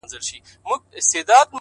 چي بیا به څو درجې ستا پر خوا کږيږي ژوند-